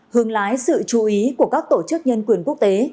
hướng lái sự chú ý của các tổ chức nhân quyền quốc tế